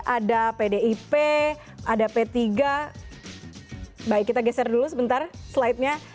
ada pdip ada p tiga baik kita geser dulu sebentar slide nya